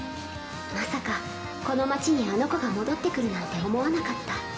まさかこの町にあの子が戻ってくるなんて思わなかった